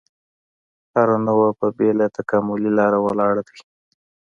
هره نوعه په بېله تکاملي لاره ولاړ دی.